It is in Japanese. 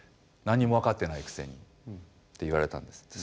「何にも分かってないくせに」って言われたんです。